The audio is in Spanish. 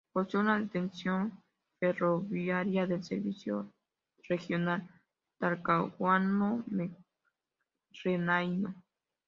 Posee una detención ferroviaria del Servicio Regional Talcahuano-Renaico.